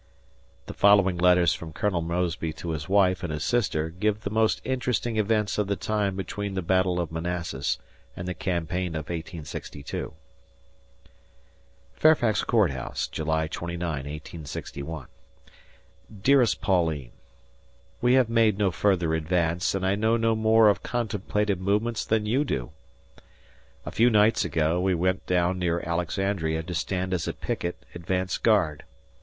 [The following letters from Colonel Mosby to his wife and his sister give the most interesting events of the time between the Battle of Manassas and the campaign of 1862.] Fairfax Court House, July 29, 1861. Dearest Pauline: We have made no further advance and I know no more of contemplated movements than you do. ... A few nights ago we went down near Alexandria to stand as a picket (advance) guard.